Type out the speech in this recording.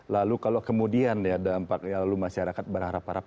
lalu kalau kemudian ya dampaknya lalu masyarakat berharap harap